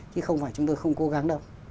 chứ không phải chúng tôi không cố gắng đâu